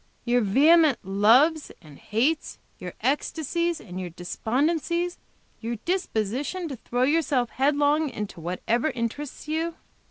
Your vehement loves and hates, your ecstasies and your despondencies; your disposition to throw yourself headlong into whatever interests you."